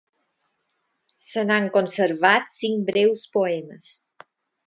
Se n'han conservat cinc breus poemes.